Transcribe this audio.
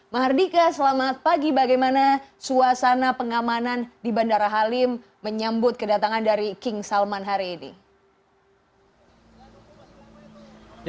mahardika selamat pagi bagaimana suasana pengamanan di bandara halim menyambut kedatangan dari king salman hari ini